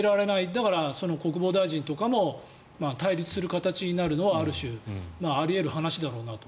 だから、国防大臣とかも対立する形になるのはある種、あり得る話だろうなと。